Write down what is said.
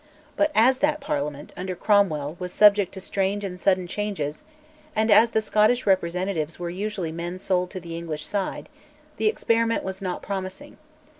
But as that Parliament, under Cromwell, was subject to strange and sudden changes, and as the Scottish representatives were usually men sold to the English side, the experiment was not promising.